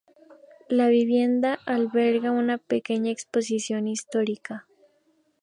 La vivienda alberga una pequeña exposición histórica.